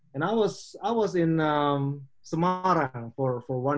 dan saya saya dalam semarang selama satu tahun